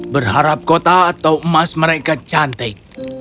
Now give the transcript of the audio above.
berharap kota atau emas mereka cantik